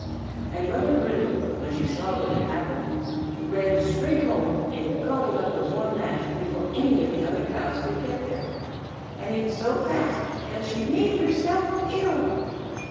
And Mother Brindle, when she saw what had happened, ran straight home and gobbled up the warm mash before any of the other cows could get there, and ate so fast that she made herself ill.